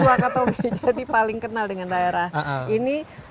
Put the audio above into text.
jadi paling kenal dengan daerah ini